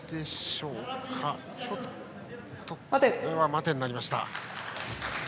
待てになりました。